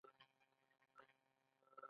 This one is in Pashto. ایا زه باید خپله خونه بیله کړم؟